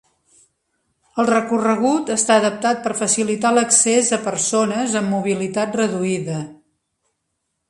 El recorregut està adaptat per facilitar l'accés a persones amb mobilitat reduïda.